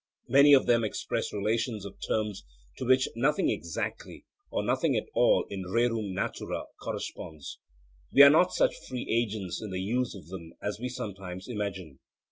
Many of them express relations of terms to which nothing exactly or nothing at all in rerum natura corresponds. We are not such free agents in the use of them as we sometimes imagine.